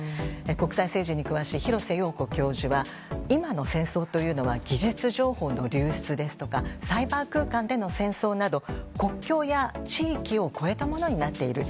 国際政治に詳しい廣瀬陽子教授は今の戦争というのは技術情報の流出ですとかサイバー空間での戦争など国境や地域を超えたものになっている。